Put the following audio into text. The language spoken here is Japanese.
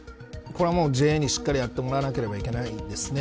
これは、もうＪＡにしっかりやってもらわなけばいけないですね。